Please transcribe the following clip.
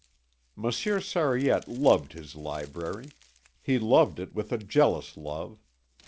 Monsieur Sariette loved his library. He loved it with a jealous love.